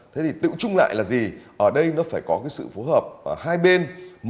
thế thì tự trung lại là gì ở đây nó phải có cái sự phối hợp hai bên